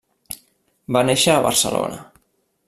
Va néixer a Barcelona.